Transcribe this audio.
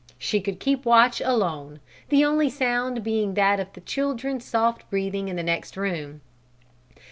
She could keep watch alone, the only sound being that of the children's soft breathing in the next room.